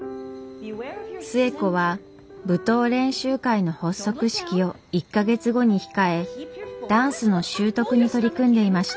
寿恵子は舞踏練習会の発足式を１か月後に控えダンスの習得に取り組んでいました。